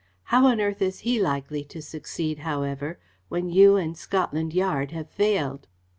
How on earth is he likely to succeed, however, when you and Scotland Yard have failed?"